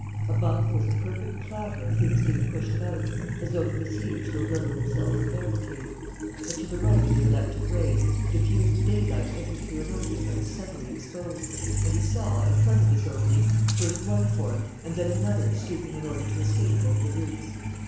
Above was a perfect clatter of things being pushed about, as though the besieged were building themselves a barricade. But to the right of the electric rays, diffused daylight entered through an opening that was suddenly exposed; and he saw, in front of this opening, first one form and then another stooping in order to escape over the roofs.